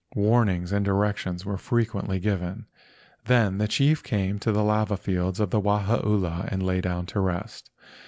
Warnings and directions were frequently given. Then the chief came to the lava fields of Wahaula and lay down to rest.